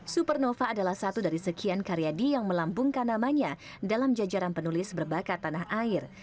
supernova adalah satu dari sekian karyadi yang melambungkan namanya dalam jajaran penulis berbakat tanah air